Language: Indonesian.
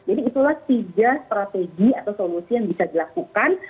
jadi itulah tiga strategi atau solusi yang bisa dilakukan